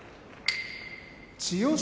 千代翔